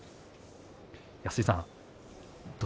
安井さん